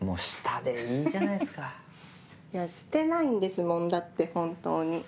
いやしてないんですもんだって本当に。